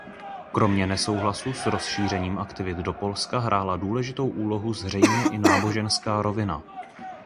Kromě nesouhlasu s rozšířením aktivit do Polska hrála důležitou úlohu zřejmě i náboženská rovina.